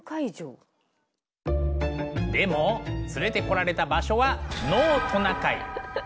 でも連れてこられた場所は「ノートナカイ」。